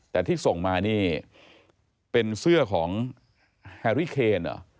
แต่ที่ส่งมานี่เป็นเสื้อของแฮรี่เคนเหรอ